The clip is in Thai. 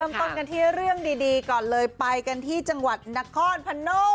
ปรับการการที่เรื่องดีก่อนเลยไปกันที่จังหวัดนาคอร์ดพนม